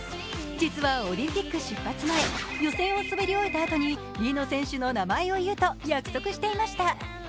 実はオリンピック出発前予選を滑り終えたあとに選手の名前を呼ぶと約束していました。